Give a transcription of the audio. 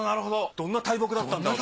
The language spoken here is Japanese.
どんな大木だったんだろう？